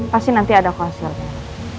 pasti nanti ada hasilnya